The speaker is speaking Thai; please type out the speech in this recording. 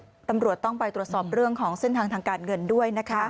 ตำรวจต้องไปตรวจสอบเรื่องของเส้นทางทางการเงินด้วยนะคะ